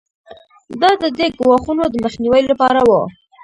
دا د دې ګواښونو د مخنیوي لپاره وو.